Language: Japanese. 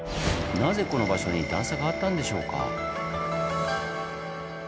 なぜこの場所に段差があったんでしょうか？